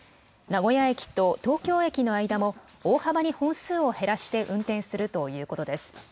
名古屋駅と東京駅の間も、大幅に本数を減らして運転するということです。